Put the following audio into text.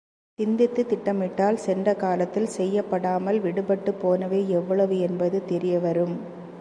சிந்தித்துத் திட்டமிட்டால் சென்ற காலத்தில் செய்யப்படாமல் விடுபட்டுப் போனவை எவ்வளவு என்பது தெரியவரும்.